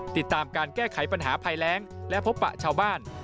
ติดตามการแก้ไขปัญหาภัยแรงและพบปะชาวบ้าน